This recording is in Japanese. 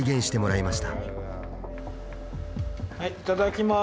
いただきます。